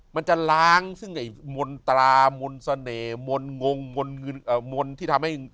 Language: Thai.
มันจะล้างมนตรามนต์เสน่ห์มนตรงมนตร์ที่ทำให้